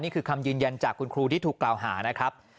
คำยืนยันจากคุณครูที่ถูกกล่าวหานะครับ